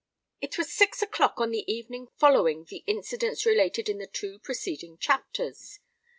It was six o'clock on the evening following the incidents related in the two preceding chapters.